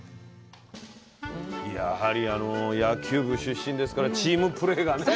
やはりあの野球部出身ですからチームプレーがね。